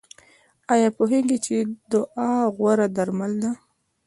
ایا پوهیږئ چې دعا غوره درمل ده؟